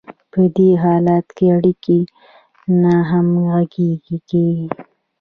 په دې حالت کې اړیکې ناهمغږې کیږي.